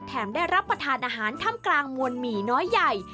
ได้รับประทานอาหารถ้ำกลางมวลหมี่น้อยใหญ่